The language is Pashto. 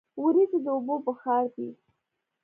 وریځې د اوبو بخار دي.